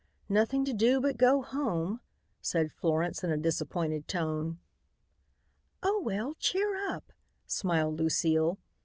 "Nothing to do but go home," said Florence in a disappointed tone. "Oh, well, cheer up," smiled Lucile.